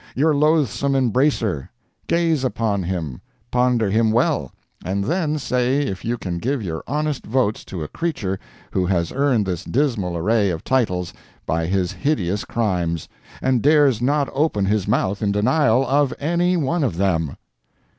your Loathsome Embracer! Gaze upon him ponder him well and then say if you can give your honest votes to a creature who has earned this dismal array of titles by his hideous crimes, and dares not open his mouth in denial of any one of them!